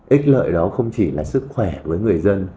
ít lợi đó không chỉ là sức khỏe với người dân